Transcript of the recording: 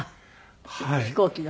飛行機の？